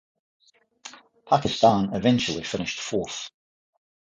Pakistan eventually finished fourth.